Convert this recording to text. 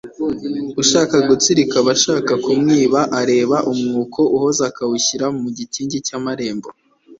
Ushaka gutsirika abashaka kumwiba, areba umwuko uhoza akawushinga mu gikingi cy’amarembo,